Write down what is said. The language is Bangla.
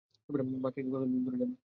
বাঁকেকে কতদিন ধরে জানো?